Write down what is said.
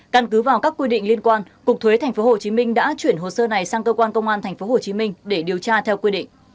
căn cứ vào các quy định liên quan cục thuế tp hcm đã chuyển hồ sơ này sang cơ quan công an tp hcm để điều tra theo quy định